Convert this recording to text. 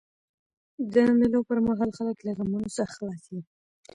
د مېلو پر مهال خلک له غمونو څخه خلاص يي.